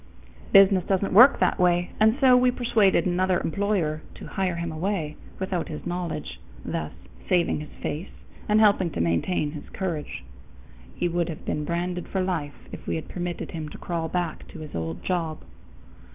Business doesn't work that way, and so we persuaded another employer to "hire him away" without his knowledge, thus saving his face and helping to maintain his courage. He would have been branded for life if we had permitted him to crawl back to his old job.